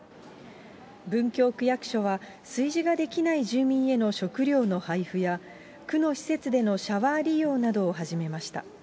文京区役所は、炊事ができない住民への食料の配布や、区の施設でのシャワー利用などを始めました。